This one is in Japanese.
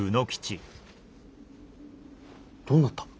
どうなった？